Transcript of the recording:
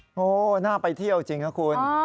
โอ้โหน่าไปเที่ยวจริงนะคุณ